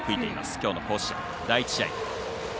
きょうの甲子園、第１試合。